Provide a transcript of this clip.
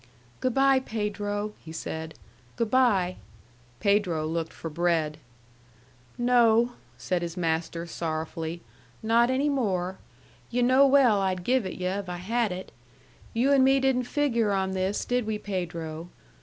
"Good by, Pedro," he said "good by." Pedro looked for bread. "No," said his master, sorrowfully, "not any more. Yu' know well I'd give it yu' if I had it. You and me didn't figure on this, did we, Pedro?